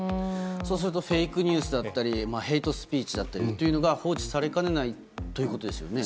そうするとフェイクニュースやヘイトスピーチだったりが放置されかねないということですよね。